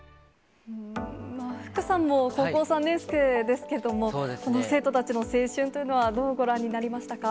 福さんも高校３年生ですけども、この生徒たちの青春というのは、どうご覧になりましたか。